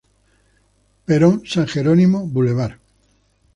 Perón- San Jerónimo- Bv.